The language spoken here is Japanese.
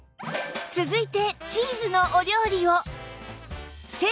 続いてチーズのお料理を